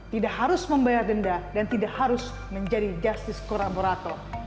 tidak harus membayar denda dan tidak harus menjadi justice kolaborator